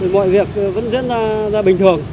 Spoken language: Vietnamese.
mọi việc vẫn diễn ra bình thường